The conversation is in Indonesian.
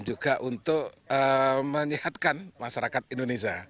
untuk menyehatkan masyarakat indonesia